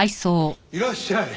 いらっしゃい。